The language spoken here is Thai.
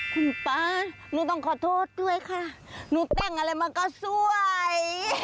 คุณป๊าหนูต้องขอโทษด้วยค่ะหนูแต่งอะไรมาก็สวย